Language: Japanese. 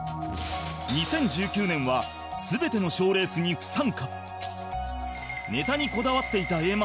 ２０１９年は全ての賞レースに不参加